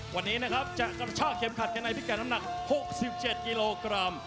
วันนี้นะครับจะกระชากเข็มขัดกันในพิกัดน้ำหนัก๖๗กิโลกรัม